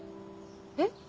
えっ？